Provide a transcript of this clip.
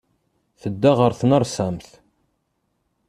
Tedda ɣer tnersamt.